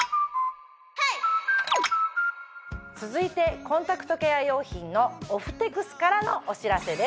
続いてコンタクトケア用品のオフテクスからのお知らせです。